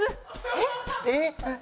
えっ。